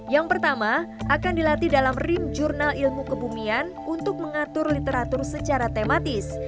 yang pertama akan dilatih dalam rim jurnal ilmu kebumian untuk mengatur literatur secara tematis